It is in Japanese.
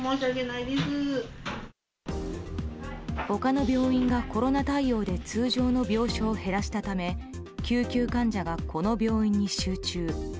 他の病院がコロナ対応で通常の病床を減らしたため救急患者が、この病院に集中。